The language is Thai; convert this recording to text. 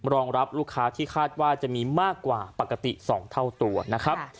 รองรับลูกค้าที่คาดว่าจะมีมากกว่าปกติ๒เท่าตัวนะครับ